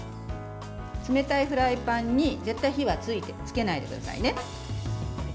冷たいフライパンに絶対、火はつけないでくださいね。